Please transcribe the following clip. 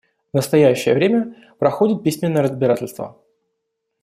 В настоящее время проходит письменное разбирательство.